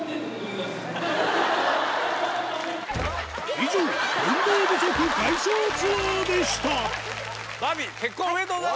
以上運動不足解消ツアーでしたバービー